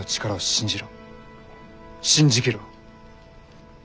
信じきろ。